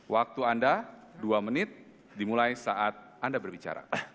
waktu anda dua menit dimulai saat anda berbicara